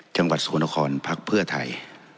จังหวัดสุธคนคลภาคเพื่อไทย